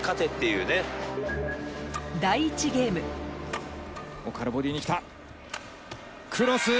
第１ゲーム奥原ボディーに来た。